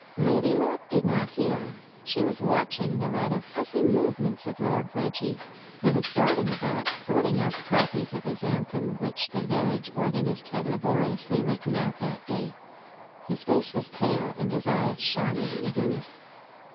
Lady Locke did not hear. She was watching the rather fussy movements of Lord Reggie, who was darting about, sorting out the copies of his anthem which the village organist had laboriously written out that day. His face was pale, and his eyes shone with eagerness.